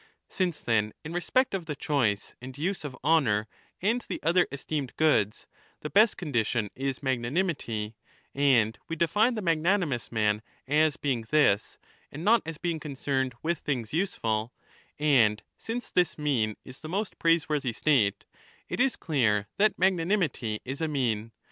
Since, then, in respect of the choice and use 5 of honour and the other esteemed goods, the best condition is magnanimity, and we define the magnanimous man ^ as being this, and not as being concerned with things useful ; and since this mean is the most praiseworthy state, it is clear that magnanimity is a mean.